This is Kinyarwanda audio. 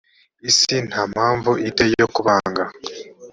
isi nta mpamvu i te yo kubanga